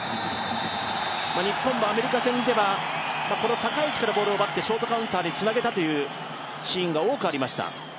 日本もアメリカ戦ではこの高い位置からボールを奪ってショートカウンターにつなげたシーンが多くありました。